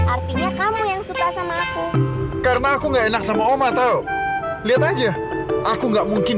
artinya kamu yang suka sama aku karena aku enggak enak sama om atau lihat aja aku nggak mungkin